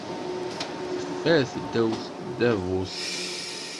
Teffer ddaw tdabut.